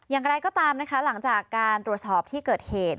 อย่างไรก็ตามนะคะหลังจากการตรวจสอบที่เกิดเหตุ